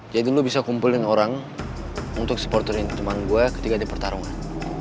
jadi lo bisa kumpulin orang untuk support urin teman gue ketika ada pertarungan